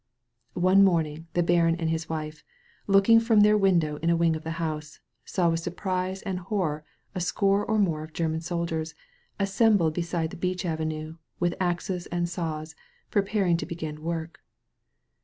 One morning the baron and his wife, looking from their window in a wing of the house, saw with sur prise and horror a score or more of German soldiers assembled beside the beech avenue, with axes and saws, preparing to begin work.